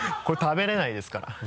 これ食べれないですから。